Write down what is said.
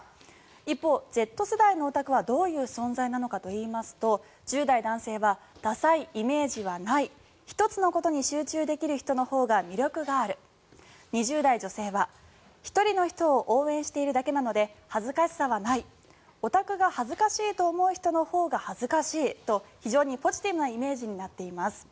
一方、Ｚ世代のオタクはどういう存在なのかといいますと１０代男性はダサいイメージはない１つのことに集中できる人のほうが魅力がある２０代女性は、１人の人を応援しているだけなので恥ずかしさはないオタクが恥ずかしいと思う人のほうが恥ずかしいと非常にポジティブなイメージになっています。